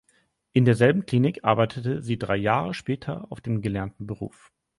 In derselben Klinik arbeitete sie drei Jahre später auf dem gelernten Beruf.